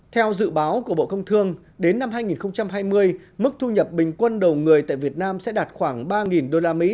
theo dự báo của bộ công thương đến năm hai nghìn hai mươi mức thu nhập bình quân đầu người tại việt nam sẽ đạt khoảng ba usd